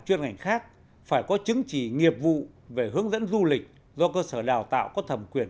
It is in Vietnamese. chuyên ngành khác phải có chứng chỉ nghiệp vụ về hướng dẫn du lịch do cơ sở đào tạo có thẩm quyền